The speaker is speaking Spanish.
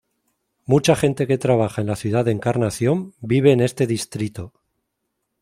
Mucha gente que trabaja en la ciudad de Encarnación, vive en este distrito.